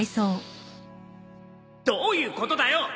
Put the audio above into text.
どういうことだよ！